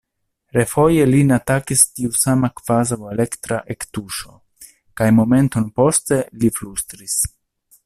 Refoje lin atakis tiu sama kvazaŭ elektra ektuŝo, kaj momenton poste li flustris: